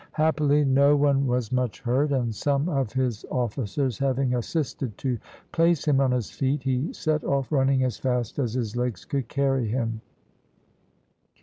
Happily no one was much hurt, and some of his officers having assisted to place him on his feet, he set off running as fast as his legs could carry him.